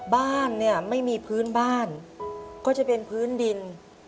บ้านเนี่ยไม่มีพื้นบ้านก็จะเป็นพื้นดิน